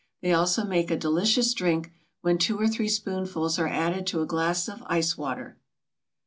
They also make a delicious drink, when two or three spoonfuls are added to a glass of ice water.